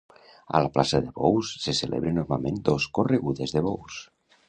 A la plaça de bous se celebren normalment dos corregudes de bous.